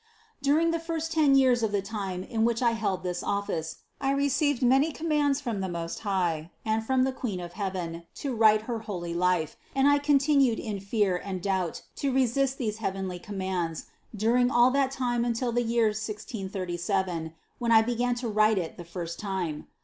During the first ten years of the time in which I held this office, I received many commands from the Most High and from the Queen of heaven to write her holy life, and I continued in fear and doubt to resist these heavenly commands during all that time until the year 1637, when I began to write it the first time.